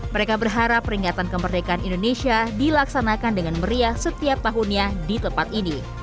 mereka berharap peringatan kemerdekaan indonesia dilaksanakan dengan meriah setiap tahunnya di tempat ini